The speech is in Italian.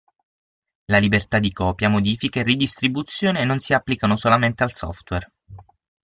La libertà di copia, modifica e ridistribuzione non si applicano solamente al software.